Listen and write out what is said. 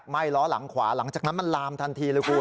ล้อหลังขวาหลังจากนั้นมันลามทันทีเลยคุณ